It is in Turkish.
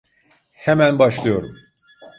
Hemen başlıyorum.